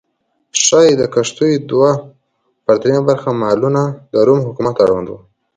ښايي د کښتیو دوه پر درېیمه برخه مالونه د روم حکومت اړوند و